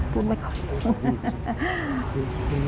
พูดไม่ค่อยถึง